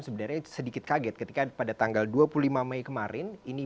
sebenarnya sedikit kaget ketika pada tanggal dua puluh lima mei kemarin